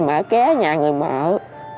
mẹ ké nhà người mẹ